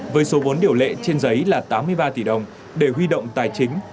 với số vốn điều lệ trên giấy là tám mươi ba tỷ đồng để huy động tài chính